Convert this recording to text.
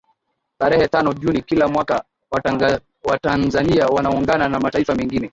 Tarehe tano Juni kila mwaka Watanzania wanaungana na mataifa mengine